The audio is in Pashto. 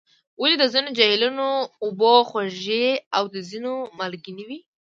ولې د ځینو جهیلونو اوبه خوږې او د ځینو مالګینې وي؟